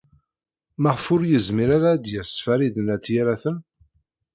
Maɣef ur yezmir ara ad d-yas Farid n At Yiraten?